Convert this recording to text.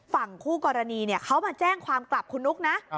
ฝั่งคู่กรณีเขามาแจ้งความกลับคุณนุ๊กนะ